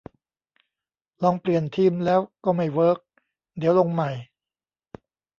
ลองเปลี่ยนธีมแล้วก็ไม่เวิร์ก เดี๋ยวลงใหม่